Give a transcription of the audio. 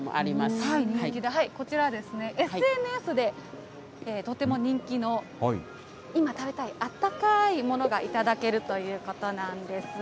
こちら、ＳＮＳでとても人気の、今食べたい、あったかいものが頂けるということなんです。